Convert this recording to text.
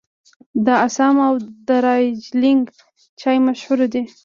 د اسام او دارجلینګ چای مشهور دی.